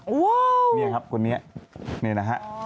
โอ้โหนี่ครับคนนี้นี่นะฮะ